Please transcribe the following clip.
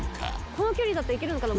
この距離だといけるのかな？